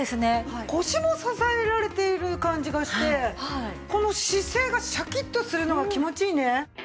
腰も支えられている感じがしてこの姿勢がシャキッとするのが気持ちいいね。